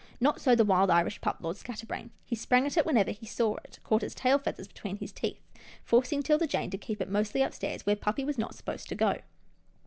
Not so the wild Irish pup, Lord Scatterbrain. He sprang at it whenever he saw it, caught its tail feathers between his teeth, forcing 'Tilda Jane to keep it mostly upstairs, where puppy was supposed not to go.